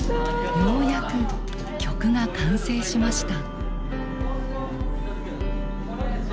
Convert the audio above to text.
ようやく曲が完成しました。